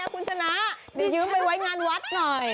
คุณชนะเดี๋ยวยืมไปไว้งานวัดหน่อย